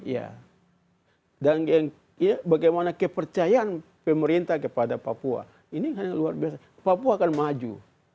ya dan bagaimana kepercayaan pemerintah kepada papua ini luar biasa papua akan maju